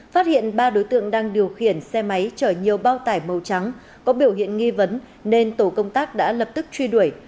phát hiện ba đối tượng đang điều khiển xe máy chở nhiều bao tải màu trắng có biểu hiện nghi vấn nên tổ công tác đã lập tức truy đuổi